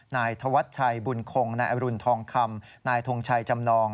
นายธวัชชัยบุญคงนายอรุณทองคำนายทงชัยจำนอง